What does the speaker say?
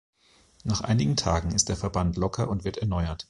Nach einigen Tagen ist der Verband locker und wird erneuert.